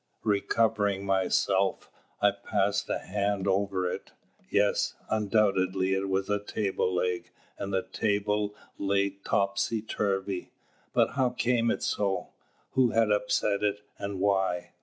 Recovering myself, I passed a hand over it. Yes, undoubtedly it was a table leg and the table lay topsy turvy. But how came it so? Who had upset it, and why?